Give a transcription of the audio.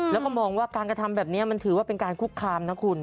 แล้วก็มองว่าการกระทำแบบนี้มันถือว่าเป็นการคุกคามนะคุณ